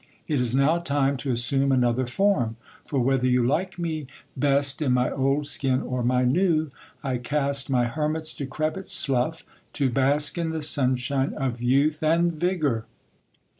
It is now time to assume another form ; for, whether you like me 1 est in my old skin or my new, I cast my hermit's decrepit slough, to bask in t le sunshine of youth and vigour.